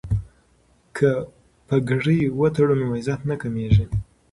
که پګړۍ وتړو نو عزت نه کمیږي.